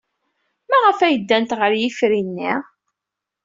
Maɣef ay ddant ɣer yifri-nni?